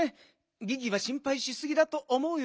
ギギはしんぱいしすぎだとおもうよ。